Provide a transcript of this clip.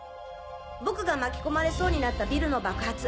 僕が巻き込まれそうになったビルの爆発